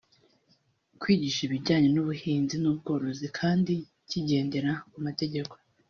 kwigisha ibijyanye n’ubuhinzi n’ubworozi kandi kigendera ku mategeko